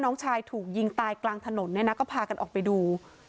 น้องชายถูกยิงตายกลางถนนเนี่ยนะก็พากันออกไปดู